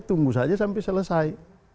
tunggu saja sampai selesai